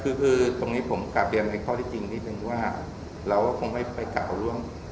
คือคือตรงนี้ผมกลับเรียนในข้อที่จริงนิดนึงว่าเราก็คงไม่ไปกล่าวล่วง